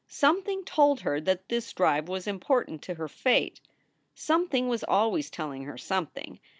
Something told her that this drive was important to her fate. Something was always telling her something.